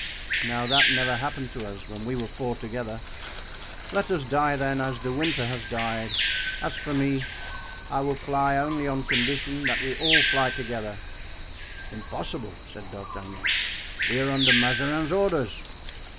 Now that never happened to us when we were four together. Let us die, then, as De Winter has died; as for me, I will fly only on condition that we all fly together." "Impossible," said D'Artagnan; "we are under Mazarin's orders."